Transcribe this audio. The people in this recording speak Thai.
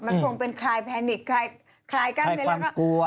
มันคงเป็นคลายแพนิกคลายกล้ามในแล้วก็